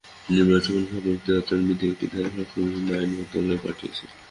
নির্বাচন কমিশন সম্প্রতি আচরণবিধির একটি ধারা সংশোধনের জন্য আইন মন্ত্রণালয়ে পাঠিয়েছে।